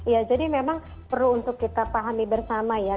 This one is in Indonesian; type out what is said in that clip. ya jadi memang perlu untuk kita pahami bersama ya